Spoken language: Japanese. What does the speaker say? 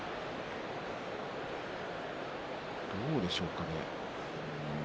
どうでしょうかね。